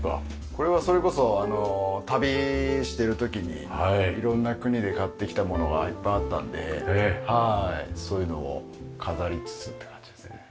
これはそれこそ旅してる時に色んな国で買ってきた物がいっぱいあったのでそういうのを飾りつつっていう感じですね。